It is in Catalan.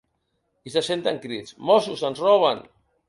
I se senten crits: ‘mossos, ens roben!’.